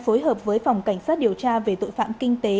cùng với phòng cảnh sát điều tra về tội phạm kinh tế